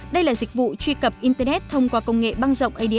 đây là dịch vụ truy cập internet thông qua công nghệ băng rộng ads